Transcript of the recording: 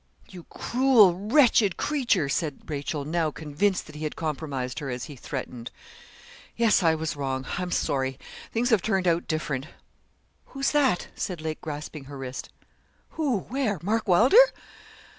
'You cruel, wretched creature!' said Rachel, now convinced that he had compromised her as he threatened. 'Yes, I was wrong; I'm sorry; things have turned out different. Who's that?' said Lake, grasping her wrist. 'Who where Mark Wylder?'